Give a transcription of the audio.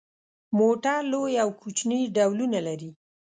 موټر لوی او کوچني ډولونه لري.